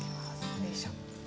よいしょ。